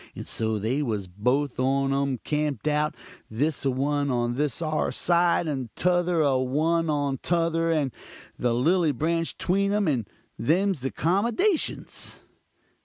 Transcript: And so they was both on um camp'd out; this a one on this 'ar side, and tother a one on tother, and the lilly branch tween um and them's the 'comdashins.